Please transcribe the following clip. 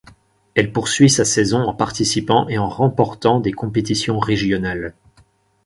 Elle poursuit sa saison en participant et en remportant des compétitions régionales.